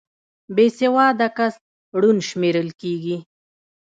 بې سواده کس ړوند شمېرل کېږي